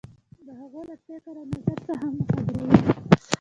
د هغو له فکر او نظر څخه مو خبروي.